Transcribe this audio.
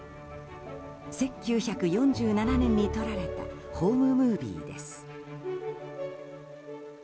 １９４７年に撮られたホームムービーです。